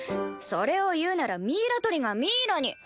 それを言うなら「ミイラ取りがミイラに」。